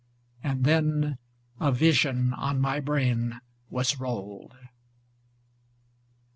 ^^ 39 And then a vision on my brain was rolled.